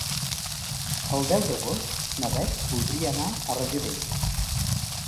El deu d'agost na Bet voldria anar a Rajadell.